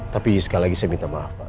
tapi sekali lagi saya minta maaf pak